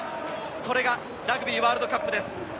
それがラグビーワールドカップです。